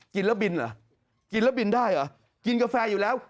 กินแล้วบินเหรอกินแล้วบินได้เหรอกินกาแฟอยู่แล้ว